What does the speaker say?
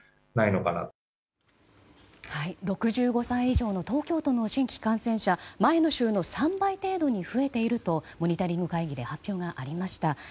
６５歳以上の東京都の新規感染者が前の週の３倍程度に増えているとモニタリング会議で発表がありました。